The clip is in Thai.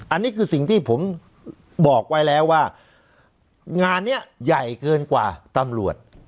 อันนี้คือสิ่งที่ผมบอกไว้แล้วว่างานนี้ใหญ่เกินกว่าตำรวจ